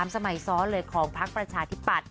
สมัยซ้อนเลยของพักประชาธิปัตย